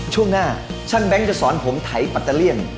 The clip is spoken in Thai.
ช่วงหน้าช่างแบงค์จะสอนผมไถปัตเตอร์เลี่ยน